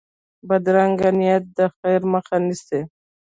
بدرنګه نیت د خیر مخه نیسي